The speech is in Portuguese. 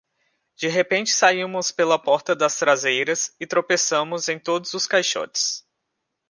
de repente saímos pela porta das traseiras e tropeçamos em todos os caixotes